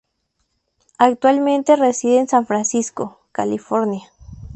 Actualmente reside en San Francisco, California.